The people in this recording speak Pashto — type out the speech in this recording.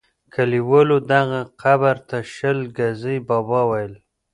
کلیوالو دغه قبر ته شل ګزی بابا ویل.